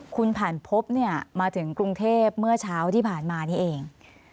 คุณผ่านพบเนี่ยมาถึงกรุงเทพเมื่อเช้าที่ผ่านมานี่เอง